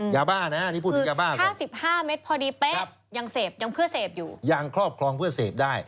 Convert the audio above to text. อย่าบ้านะนี่พูดเป็นกับบ้าค่ะ